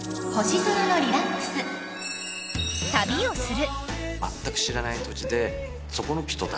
［旅をする］